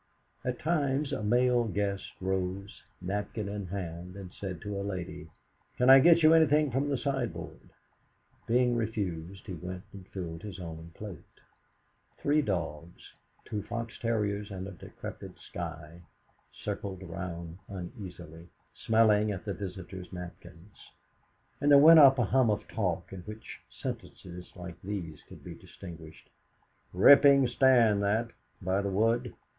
At times a male guest rose, napkin in hand, and said to a lady: "Can I get you anything from the sideboard?" Being refused, he went and filled his own plate. Three dogs two fox terriers and a decrepit Skye circled round uneasily, smelling at the visitors' napkins. And there went up a hum of talk in which sentences like these could be distinguished: "Rippin' stand that, by the wood.